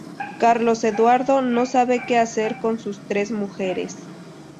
Carlos Eduardo no sabe que hacer con sus tres mujeres.